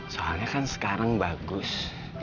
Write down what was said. soalnya kan sekarang bagus